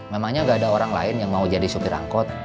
memangnya nggak ada orang lain yang mau jadi sopir angkot